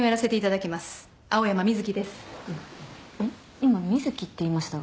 今瑞希って言いましたが。